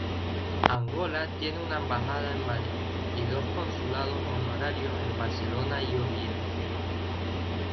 Angola tiene una embajada en Madrid y dos consulados honorarios en Barcelona y Oviedo.